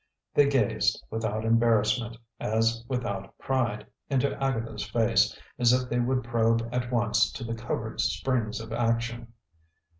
They gazed, without embarrassment, as without pride, into Agatha's face, as if they would probe at once to the covered springs of action.